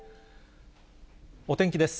お天気です。